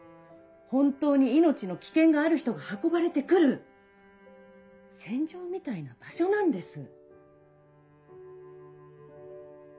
本当に命の危険がある人が運ばれて来る戦場みたいな場所なんです。